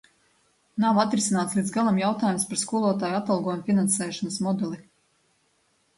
Nav atrisināts līdz galam jautājums par skolotāju atalgojuma finansēšanas modeli.